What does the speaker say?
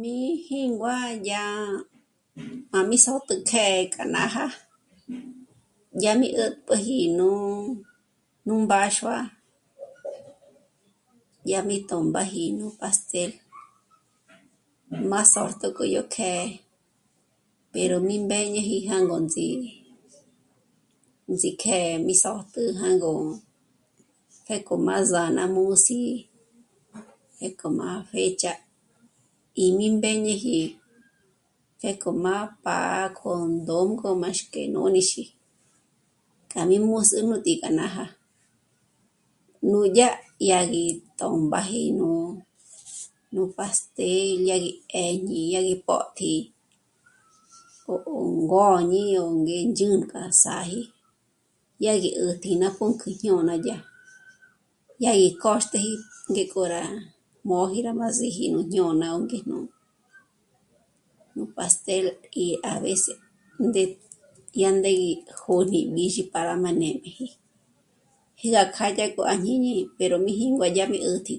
Mí jíngua yá má mí sö́jtü kjë̌'ë k'a nája, yá mi 'ä̀t'p'üji nú, nú mbáxua, yá mí tö̌mbaji nú pastel má sö́jtü k'o yó kjë̌'ë, pero mí mbéñeji jângonts'i, ndzí'i kjë̌'ë mi sö́jtü jângo pjék'o má sá'a ná mús'i, pjék'o má fecha, í mí mbéñeji pjék'o má pá'a k'o ndónk'o máxk'e nǒnixi k'a mí mús'ü nú tǐ'i k'a nája. Núdya yá gí tö̌mbaji nú, nú pastel yá gí 'éñi, yá gí pó't'i, 'ò'o, ó ngôñi o ngé ndzhǘnk'a sáji, yá gí 'ä̀tji ná pǔnk'ü jñôna yá, yá gí k'ôxteji ngék'o rá móji rá má síji nú jñôna o ngéjnú, nú pastel í a veces ndé..., yá ndé gí jǒd'ü b'ízhi para má nêm'eji, jé gá kjâ'a dyák'o à jñíñi pero mí jíngua dyà mí 'ä̀tji